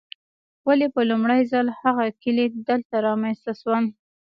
ولې په لومړي ځل هغه کلي دلته رامنځته شول.